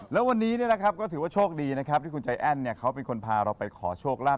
แล้ววันนี้ก็ถือว่าโชคดีนะครับที่คุณใจแอ้นเขาเป็นคนพาเราไปขอโชคลาภ